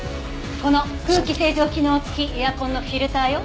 この空気清浄機能付きエアコンのフィルターよ。